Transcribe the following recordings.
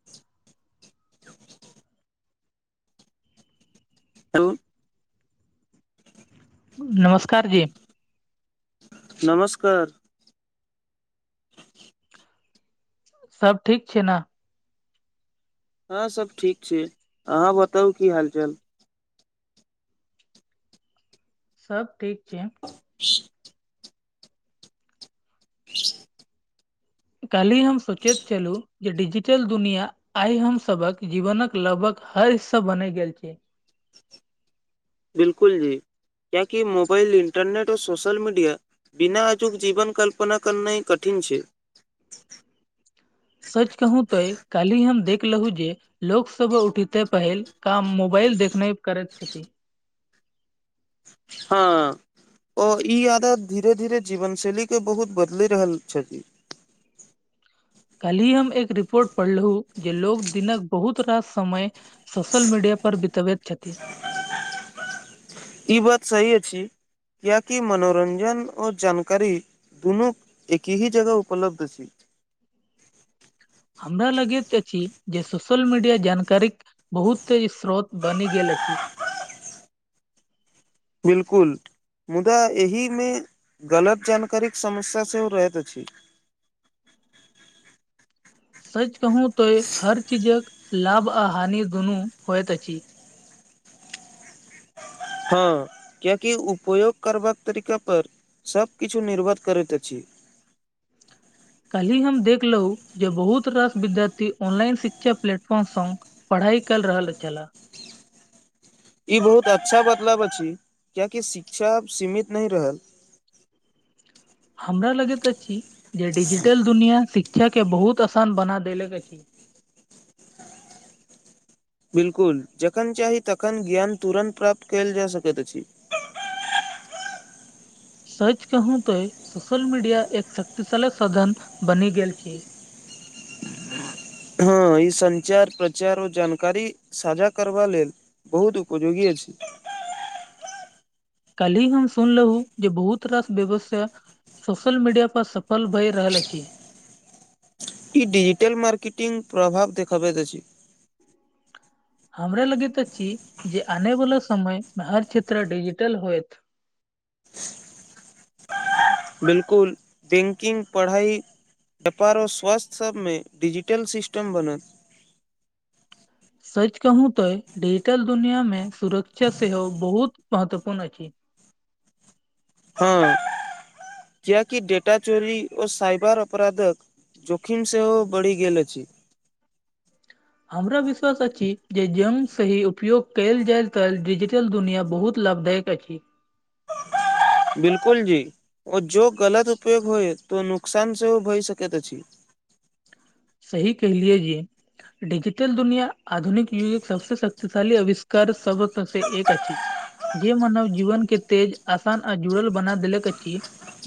[unintelligible] Hello नमस्कार जी नमस्कार सब ठीक छै ने हँ सब ठीक छै अहाँ बताउ की हाल चाल सब ठीक छै [unintelligible] काल्हि हम सोचैत छलहुँ जे डिजिटल दुनिया आइ हम सभक जीवनक लगभग हर हिस्सा बने गेल छी बिलकुल जी क्य कि मोबाइल इन्टरनेट आ सोशल मीडिया बिना अजूक जीवन कल्पना करनाय कठिन छै ह [inaudible] सच कहू तो काल्हि हम देखलहुँ जे लोकसभ उठिते पहिल काम मोबाइल देखने करै छथिन हँ ओ ई आदत धीरे धीरे जीवन शैली के बहुत बदलि रहल छथि। कल्ही हम एक रिपोर्ट पढ़लहुँ जे लोग दिनक बहुत रास समय सोशल मीडिया पर भितबैत छथि। ई बात सही अछि कियाकि मनोरञ्जन आऔर जानकारी दुनू एकही जगह उपलब्ध छैय। हमरा लगैत अछि जे सोशल मीडिया जानकारीक बहुते ई स्रोत बनि गेल अछि। बिल्कुल मुदा एहिमे गलत जानकारीक समस्या सेहो रहैत अछि। सच कहू तो हर चीजक लाभ आ हानि दुनू होइत अछि। हँ कियकि उपयोग करबाक तरीका पर सब किछु निर्भर करैत अछि। [inaudible] काल्हि हम देखलहु जे बहुत रास विद्यार्थी ऑनलाइन शिक्षा प्लेटफॉर्मसँ पढ़ाइ कल रहल छला। ई बहुत अच्छा बदलाब अछि कीआकि शिक्षाअब सीमित नही रहल। हमरा लगैत अछी जे डिजिटल दुनिया शिक्षा के बहुत आसान बना देेलक अछि। बिलकुल जखन चाही तखन ज्ञान तुरन्त प्राप्त कयल जा सकैत अछि। सच कहू तो सोशल मीडिया एक शक्तिशाली साधन बनी गेल खी। हँ ई संञचार प्रचार ओ जानकारी साझा करबा लेल बहुत उपयोगी अछी। काल्हिी हम सुनलहु जे बहुत रास व्यवसा सोशल मीडिया पर सफल भए रहल अछि। ई डजिटल मार्केटंग प्रभाव देखाबैत अछि। हमरा लगैत अछि जे आने वाला समय मे हर क्षेत्र डिजिटल होयत। बिलकुल तीनकिंग पढ़ाइ व्यापारो स्वास्थ्य सभमे डिजिटल सिस्टम बनत। सच कहू तऽ डिजिटल दुनियामे सुरक्षा सेहो बहुत महत्वपूर्ण अछि। हँ किया कि डेटा चोरी ओ साइबर अपराधक जोखीम सेहो बढ़ि गेल अछि। हमरा विश्वास अछि जे जम सही उपयोग कयल जाय त डिजिटल दुनिया बहुत लाभधायक अछि। बिलकुल जी ओ जो गलत उपयोग होएत तो नुकसान सेहो भय सकैत अछि। सही कहलियए जी। डीजिटल दुनिया आधुनिक युगके सबसे शक्तिशाली आविष्कार सबहक में से एक अछि। जे मानव जीवन के तेज आसान आ जुड़ल बना देलक अछि।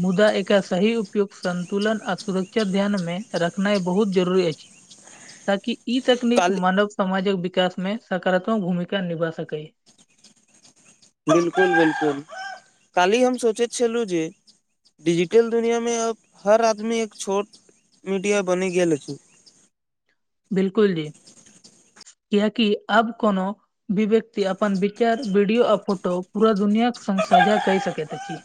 मुदा एकर सही उपयोग संन्तुलन आ सुरक्षा ध्यान मे रखनाइ बहुत जरूरी अछि। ताकि ई तकनीक काल मानव समाजक विकास में सकारात्मक भूमिका निभा सकै। बिलकुल बिलकुल कालहि हम सोचैत छलहुँ जे डिजिटल दुनिया में अब हर आदमी एक छोट मीडिया बनि गेल अछि। बिलकुल जी कियकि अब कोनो भी विव्यक्त अपन विचार वडियो आर फोटो पूरा दुनियाक संग साजा कहि सकैत अछि।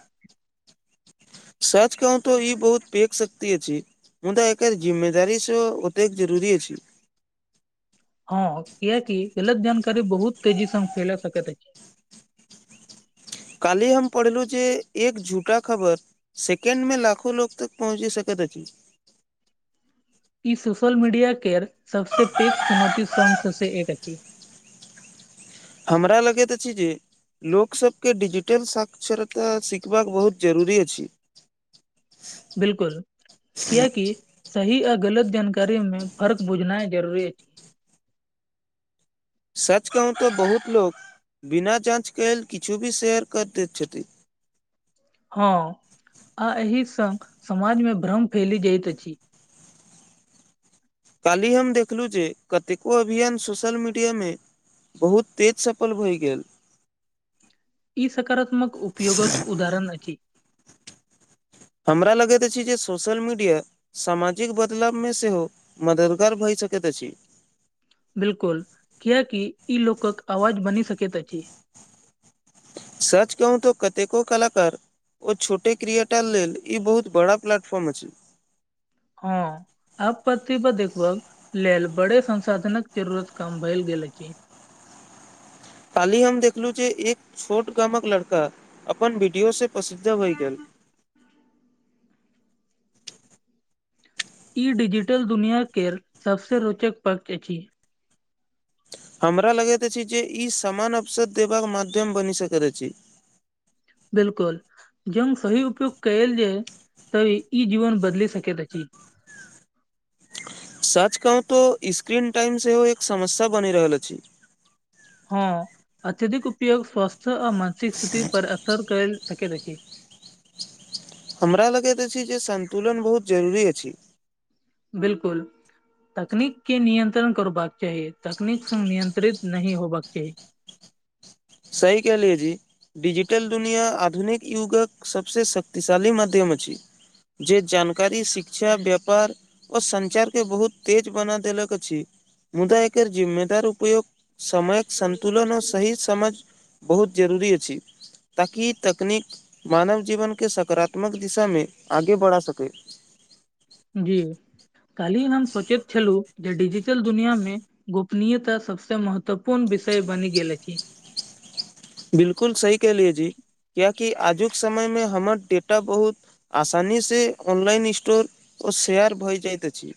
सच कहू तऽ ई बहुत पेक शक्ति अछि। मुदा एकर जिम्ममेदारी सेहो ओतेक जरुरी अछि। हँ कियाकि गलत जानकारी बहुत तेजी स फैल सकैत अछि। कालहि हम पढ़लु जे एक झूठा खबर सेकेंड में लाखो लोग तक पहुँची सकैत अछि। ई सोशल मीडिया केर सबसँ पैघ चुनौती शसँ एक अछि। हमरा लगैत अछि जे लोकसभके डिजिटल साक्षरता सिखबाक बहुत जरूरी अछि। बिलकुल किया की सही आ गलत जानकारी में फर्क बुझनाइ जरुररी अछि। सच कहू तऽ बहुत लोक बिना जाँचकेल किछु भी शेयर कर दैत छथि। हँ आ एहि संग समाज मे भ्रम फैली जाइत अछि। काल्हि हम देखलहुँ जे कतेको अभियान सोशल मीडियामे बहुत तेज सफल भए गेल। ई सकारात्मक उपयोगक उदाहरण अछि। हमरा लगैत अछि जे सोशल मीडिया सामाजिक बदलावमे सेहो मददगार भऽ सकैत अछि। बिलकुल कियकि ई लोकक आवाज बनि सकैत अछि। सच कहू तो कतेको कलाकार ओ छोटे क्रियटा लेल ई बहुत बड़ा प्लेटफॉर्म अछि। हँ आपत्ति पर देखब लेल बड़े संसाधनक जरूरत काम भेल गेल अछि। काली हम देखलु जे एक छोट गामक लड़का अपन वीडियो से प्रसिद्ध भये गेल। ई डिजिटल दुनिआ केर सभसँ रोचक पक्ष अछि। हमरा लगैत अछि जे ई समान वसर देबाक माध्यम बनि सकैत अछि। बिलकुल जंग सही उपयोग कयल जा तभी ई जीवन बदलि सकैत अछि। सच कहू तो स्क्रीन टाइम सेहो एक समस्या बनि रहल अछि। हँ अत्यधिक उपयोग स्वास्थ्य आ मानसिक स्थिति पर असर कर सकैत अछि। हमरा लगैत अछि जे संतुलन बहुत जरूरी अछि। बिलकुल तकनीक के नियंत्रण करबाक चाही तकनीक स नियंत्रित नही होबाक चाही। सहि कहलीयै जी। डिजिटल दुनिया आधुनिक युगक सभसँ शक्तिशाली माध्यम अछि। जे जानकारी शिक्षा व्यापार ओ संञ्चार के बहुत तेज बना देलक अछि। मुदा एकर जिम्मेदार उपयोग समयक सन्तुलनओ सही समझ बहुत जरूरी अछि। ताकि तकनीक मानव जीवनके सकारात्मक दिशामे आगे बढ़ा सकै। जी काली हम सोचैत छलहुँ जे डिजिटल दुनियामे गोपनीयता सबसे महत्वपूर्ण विषय बनि गेले अछि। बिलकुल सही कलियै जी कियाकि आजुक समय मे हमर डेटा बहुत आसानी से अनलइन स्टोर ओ शेयर भ जाइत अछि।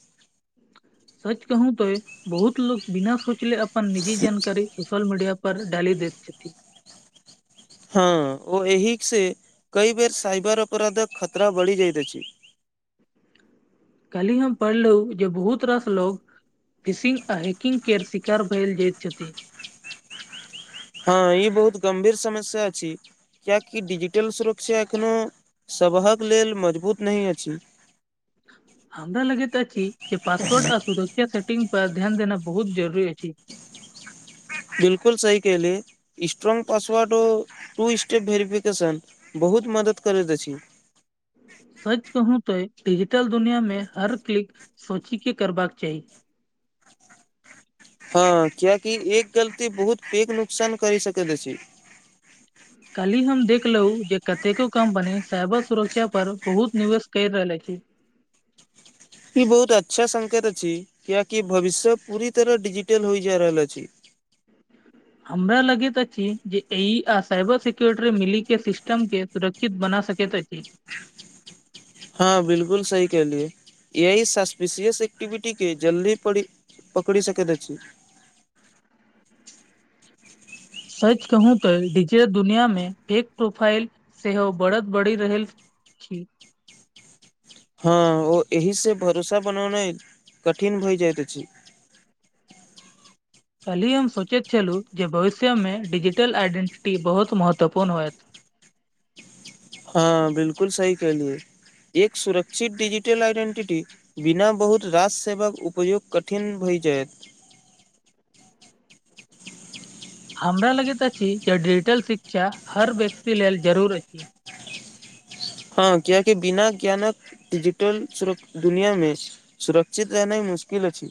सच कहू तो बहुत लोक बिना सोचले अपन निजी जानकारी सोशल मीडिया पर डाली दैत अछि। हँ ओ एहि से कई बेर सइबर अपराधक खतरा बढ़ि जाइत अछि। कायलही हम पढ़लहुँ जे बहुत रास लोग फिशिंग आ हैकिंग केर शिकार भेल जाइत छथि। हँ ई बहुत गंभीर समस्या अछि। कियाकि डिजिटल सुरक्षा एखनो सबहक लेल मजबूत नहि अछि। हमरा लगैत अछि जे पासवर्ड आ सू सेटंग पर ध्यान देना बहुत जरूरी अछि। बिलकुल सही कहलीयै स्ट्रोंग पासवर्ड ओ टू स्टेप भेरिफिकेशन बहुत मदद करैत अछि। सच कहू त डिजिटल दुनिया में हर क्लिक सोची के करबाक चाही। हँ कियाकि एक गलती बहुत पैघ नुकसान करी सकैत अछि। काल्हि हम देखलहु जे कतेको कंपनी साइबर सुरक्षा पर बहुत निवेश करि रहल अछि। ई बहुत अच्छा संकेत अछि कियाकि भविष्य पूरी तरह डिजिटल होइ जा रहल अछि। हमरा लगैत अछि जे एई आ साइबर सिक्यरिटी मिलीके सिस्टम के सुरक्षित बना सकैत अछि। हँ बिलकुल सही कहलियै यह सस्पिशियस एक्टिविटी के जल्दी पड़ी पकरी सकैत अछि। सच कहू तऽ डीजिटल दुनियामे फेक प्रोफाइल सेहो बढ़द बढ़ी रहल अछि। हँ ओ एहि से भरोसा बनौनाइ कठिन भए जाइत अछि। कल्हि हम सोचैत छलहुँ जे भविष्यमे डिजिटल आइडेंटिटी बहुत महत्वपूर्ण होयत। हँ बिलकुल सही कहलियए एक सुरक्षित डीजिटल आइडेंटिटी बिना बहुत राज सेवाक उपयोग कठिन भइ जायत। [inaudible] हमरा लगैत अछि जे डिजिटल शिक्षा हर व्यक्ति लेल जरूर अछि। हँ कियाक बिना ज्ञानक डिजिटल सुर दुनियामे सुरक्षित रहनाय मुश्किल अछि।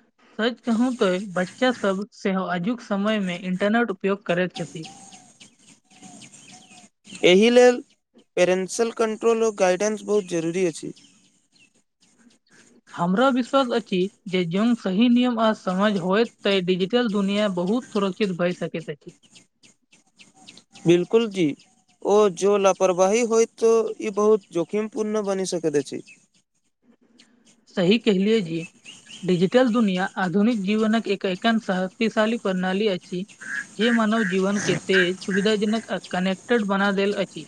[inaudible] सच कहू तो बच्चा सब सेहो अजुक समय मे इंटरनट उपयोग करैत छथि। एहि लेल पेरेन्ट्सल कंट्रोल आर गाइडेंस बहुत जरूरी अछि। हमरा विश्वास अछि जे जोन सही नियम आ समझ होइत त डिजिटल दुनिया बहुत सुरक्षित भइ सकैत अछि। बिलकुल जी ओ जो लापरवाही होयत ई बहुत जोखिम पूर्ण बनी सकैत अछि। सही कहिलियए जि। डिजिटल दुनिया आधुनिक जीवनक एक एकन शक्तिशाली प्रणाली अछि। जे मानव जीवन के तेज सुविधाजनक आ कनेक्टेड बना देल अछि।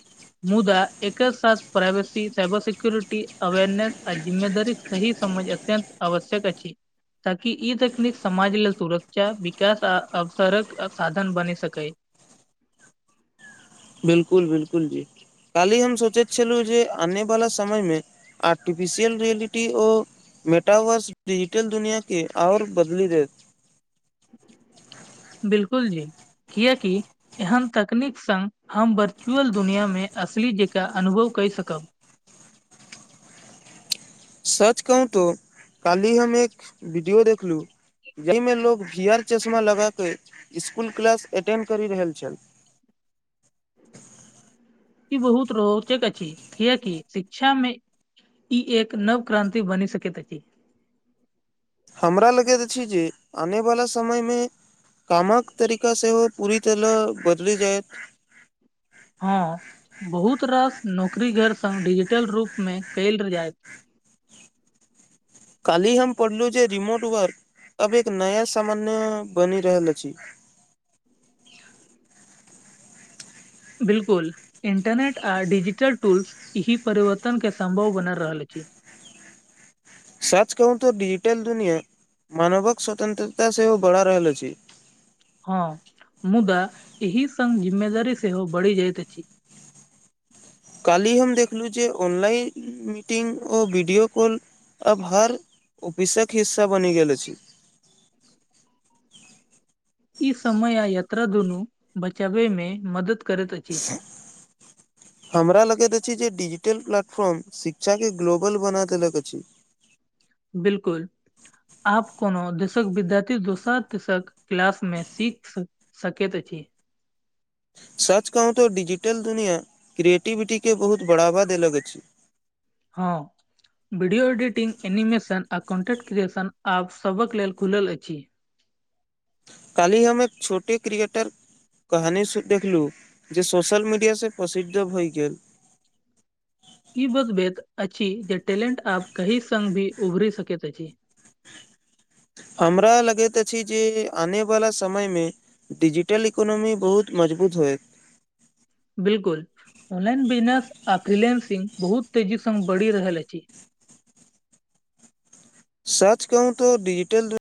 मुदा एके साथ प्राइवसी साइबर सिक्यरिटी अवरनेस आ जिम्मेदारीक सही समझ अत्यत आवश्यक अछि। ताकि ई तकनीक समाज लेल तुरक्षा विकास आ अवसरक अबसाधन बन स‌कै। बिलकुल बिलकुल जी कालहि हम सोचैत छलहुँ जे आने वाला समय मे आर्टिफिशियल रियलिटी ओ मेटावर्स डिजिटल दुनिया के आओर बदली देत। बिलकुल जी किया की एहन तकनीक सङ्ग हम वर्चुअल दुनिआँमे असली जेकाँ अनुभव कइ सकब। सच कहूं तो कालहि हम एक वीडियो देखलूं जाहिमे लोक जीयर चश्मा लगा कऽ इसकुल क्लास अटेंड करि रहल छल। ई बहुत रोचक अछि किएकि शिक्षामे ई एक नव क्रान्ति बनी सकैत अछी। हमरा लगैत अछि जे आनेवाला समयमे कामक तरिका सेओ पूरीतल बदले जायत हँ बहुत रास नौकरी गैर संग डिजिटल रूप मे कैल जायत। काली हम पढ़लहुँ जे रिमोट वर्क अब एक नया सामान्य बनी रहल अछी। [inaudible] बिलकुल इंटरनेट आ डिजिटल टूल्स ईही परिवर्तन के सम्भव बना रहल अछि। सच कहू तऽ डिजिटल दुनिया मानवक स्वतंत्रता सेहो बढ़ा रहल अछि। हँ मुदा एहि संग जिम्मेदारी सेहो बढ़ि जाइत अछि। कालहि हम देखलुं जे ऑनलाइन मीटिंग ओ वीडियो कॉल अब हर ऑफिसक हिस्सा बनि गेल अछि। ई समय आ यात्रा दुनू बचाबे में मदद करैत अछि [unintelligible] हमरा लगैत अछि जे डिजिटल प्लेटफॉर्म शिक्षा के ग्लोबल बना देलक अछि। बिलकुल आप कोनो देशक विद्यार्थी दोसरक तेसरक क्लास मे सीख सकेत अछी सच कहू तऽ डिजिटल दुनिया क्रिएटिविटी के बहुत बढ़ावा देलक अछि हँ वीडियो एडिटिंग एनिमेशन आ कन्टेन्ट क्रिएशन आब सभक लेल खुलल अछि कालीह हमे एक छोटे क्रियेटर कहानी स देखलु जे सोशल मीडिया से प्रसिद्ध भय गेल ई बात वेद अछि जे टैलेंट आब कहीं सग भी उभरी सकैत अछि हमरा लगैत अछि जे आने वाला समय मे डिजिटल इकोनोमी बहुत मजबूत होएत बिलकुल ऑनलाइन बिजनेस आ फ्रीलेंसिंग बहुत तेजी स बढ़ि रहल अछि सच कहू त डिजिटल दु